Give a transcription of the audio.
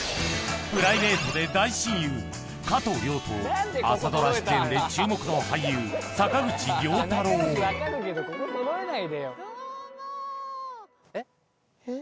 プライベートで大親友加藤諒と朝ドラ出演で注目の俳優坂口涼太郎えっ？えっ？